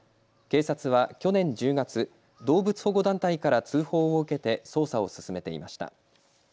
警察は去年１０月、動物保護団体から通報を受けて捜査を進めていました。